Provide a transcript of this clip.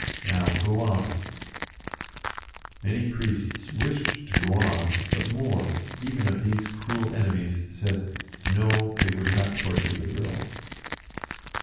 Now, go on !" Many priests wished to go on, but more, even of these cruel enemies, said, "No!" they would not torture the girl.